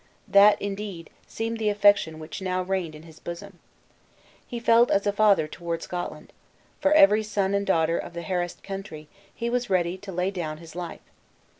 That, indeed, seemed the affection which now reigned in his bosom. He felt as a father toward Scotland. For every son and daughter of that harassed country, he was ready to lay down his life.